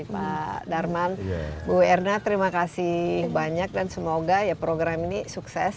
pak darman bu erna terima kasih banyak dan semoga ya program ini sukses